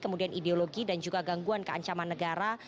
kemudian ideologi dan juga gangguan keancaman negara